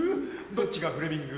どっちがフレミング？